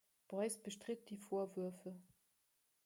Boyce bestritt die Vorwürfe.